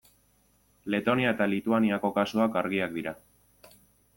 Letonia eta Lituaniako kasuak argiak dira.